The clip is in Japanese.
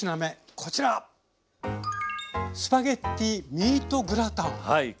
これスパゲッティミートグラタン。